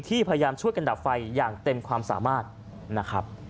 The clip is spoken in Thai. พยายามช่วยกันดับไฟอย่างเต็มความสามารถนะครับ